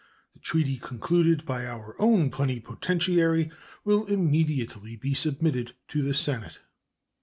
The treaty concluded by our own plenipotentiary will immediately be submitted to the Senate.